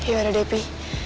yaudah deh pi